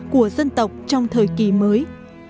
của dân tộc trong thời kỳ mới